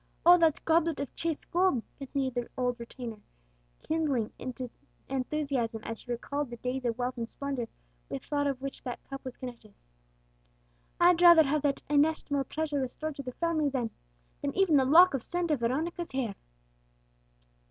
Oh! that goblet of chased gold," continued the old retainer, kindling into enthusiasm as she recalled the days of wealth and splendour with thought of which that cup was connected "I'd rather have that inestimable treasure restored to the family than than even the lock of Santa Veronica's hair!"